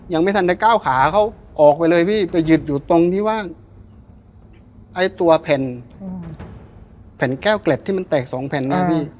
ยังไม่ทันได้ก้าวขาเขาออกไปเลยพี่ไปหยุดอยู่ตรงที่ว่าไอ้ตัวแผ่นแผ่นแก้วเกล็ดที่มันแตกสองแผ่นนะพี่